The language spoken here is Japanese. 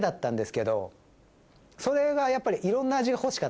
けどそれがやっぱり。